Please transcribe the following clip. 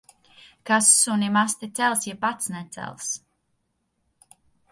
Kas sunim asti cels, ja pats necels.